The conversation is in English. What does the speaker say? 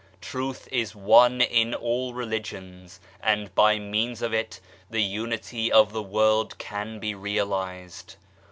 Truth is one in all religions, and by means of it the unity of the world can be realized.